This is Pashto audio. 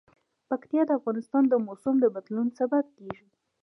پکتیا د افغانستان د موسم د بدلون سبب کېږي.